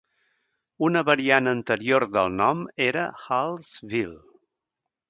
Una variant anterior del nom era Hallsville.